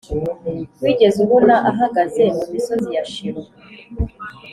wigeze ubona ahagaze mu misozi ya shilo